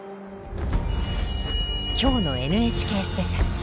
今日の「ＮＨＫスペシャル」。